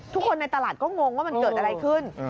ทุกคนในตลาดก็งงว่ามันเกิดอะไรขึ้น